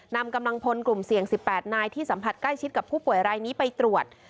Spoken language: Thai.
นำกำลังพลกลุ่มเสี่ยง๑๘นายที่สัมผัสใกล้ชิดกับผู้ป่วยรายนี้ไปตรวจ